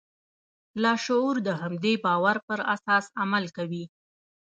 لاشعور د همدې باور پر اساس عمل کوي.